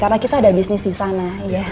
karena kita ada bisnis disana